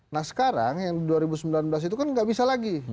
nah sekarang yang dua ribu sembilan belas itu kan nggak bisa lagi